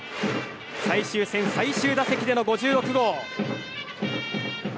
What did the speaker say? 最終戦、最終打席での５６号。